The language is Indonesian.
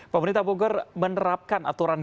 pemerintah bogor menerapkan aturan